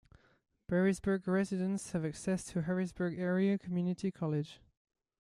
Berrysburg residents have access to Harrisburg Area Community College.